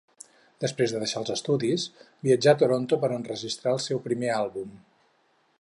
Després de deixar els estudis, viatjà a Toronto per enregistrar el seu primer àlbum.